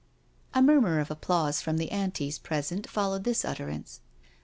A murmur of applause from the Antis present fol lowed this utterance.